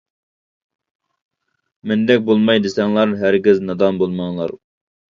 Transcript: مەندەك بولماي دېسەڭلار، ھەرگىز نادان بولماڭلار.